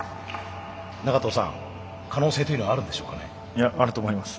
いやあると思います。